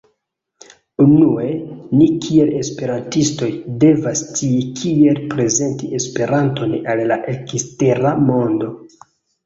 Unue, ni kiel Esperantistoj, devas scii kiel prezenti Esperanton al la ekstera mondo